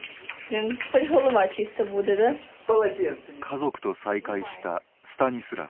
家族と再会したスタニスラフ。